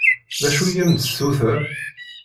D acu i am-d-tessuter?